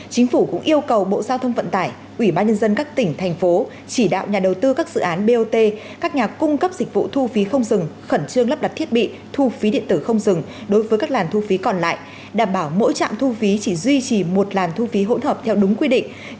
chính phủ cũng yêu cầu bộ giao thông vận tải ủy ban nhân dân các tỉnh thành phố chỉ đạo nhà đầu tư các dự án bot các nhà cung cấp dịch vụ thu phí không dừng khẩn trương lắp đặt thiết bị thu phí điện tử không dừng đối với các làn thu phí còn lại đảm bảo mỗi trạm thu phí chỉ duy trì một làn thu phí hỗn hợp theo đúng quy định